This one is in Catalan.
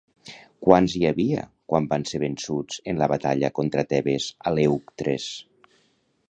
Quants hi havia quan van ser vençuts en la batalla contra Tebes a Leuctres?